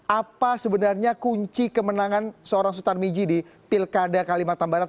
apa sebenarnya kunci kemenangan seorang sutar miji di pilkada kalimantan barat